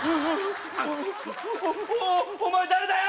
おおお前誰だよ！